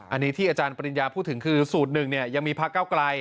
อันนี้ที่อาจารย์ปริญญาพูดถึงคือสูตรหนึ่งยังมีพระเก้าไกล